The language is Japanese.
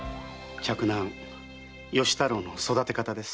嫡男・吉太郎の育て方です。